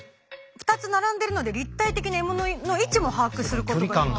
２つ並んでるので立体的な獲物の位置も把握することができると。